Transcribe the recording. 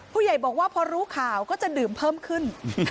ผู้ใหญ่บอกว่าพอรู้ข่าวก็จะดื่มเพิ่มขึ้น